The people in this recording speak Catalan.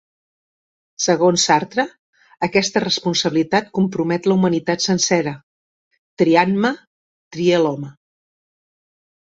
Segons Sartre, aquesta responsabilitat compromet la humanitat sencera: «Triant-me, trie l'home».